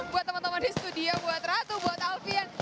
buat teman teman di studio buat ratu buat alfian